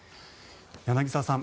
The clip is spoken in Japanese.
柳澤さん